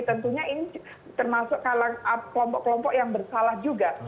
tentunya ini termasuk kelompok kelompok yang bersalah juga